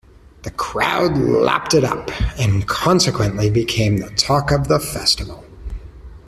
The crowd lapped it up, and consequently became the talk of the festival.